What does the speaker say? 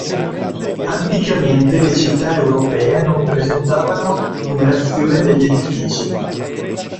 Anticamente le città europee non presentavano numerazione degli edifici.